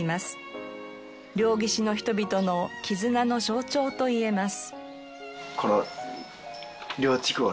両岸の人々の絆の象徴といえます。